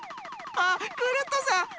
あっクルットさん。